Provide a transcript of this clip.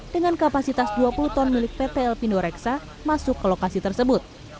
dengan kapasitas dua puluh ton milik ptl pindoreksa masuk ke lokasi tersebut